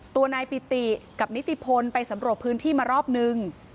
ตัวนายปิติกับนิติพลไปสำรวจพื้นที่มารอบนึง